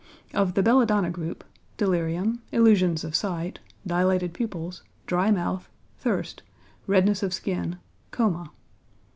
Of the belladonna group, delirium, illusions of sight, dilated pupils, dry mouth, thirst, redness of skin, coma.